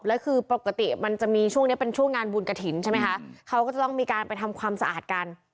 แล้วคือปกติมันจะมีช่วงนี้เป็นช่วงงานบุญกระถิ่นใช่ไหมคะเขาก็จะต้องมีการไปทำความสะอาดกัน